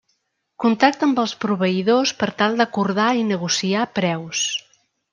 Contacta amb els proveïdors per tal d'acordar i negociar preus.